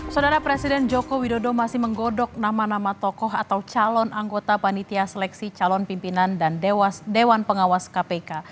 saudara presiden joko widodo masih menggodok nama nama tokoh atau calon anggota panitia seleksi calon pimpinan dan dewan pengawas kpk